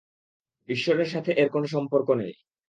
ইশ্বরের সাথে এর কোন সম্পর্ক নেই।